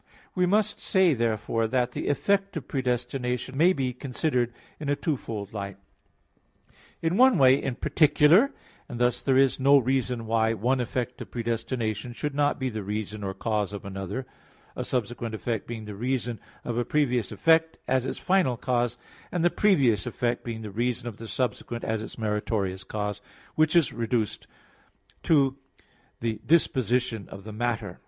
We must say, therefore, that the effect of predestination may be considered in a twofold light in one way, in particular; and thus there is no reason why one effect of predestination should not be the reason or cause of another; a subsequent effect being the reason of a previous effect, as its final cause; and the previous effect being the reason of the subsequent as its meritorious cause, which is reduced to the disposition of the matter.